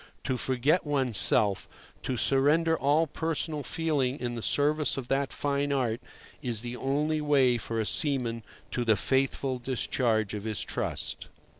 To forget one's self, to surrender all personal feeling in the service of that fine art, is the only way for a seaman to the faithful discharge of his trust.